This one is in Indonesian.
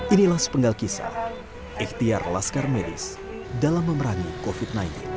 inilah sepenggal kisah ikhtiar laskar medis dalam memerangi covid sembilan belas